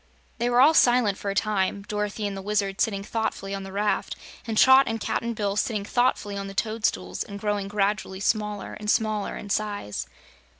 They were all silent for a time, Dorothy and the Wizard sitting thoughtfully on the raft, and Trot and Cap'n Bill sitting thoughtfully on the toadstools and growing gradually smaller and smaller in size.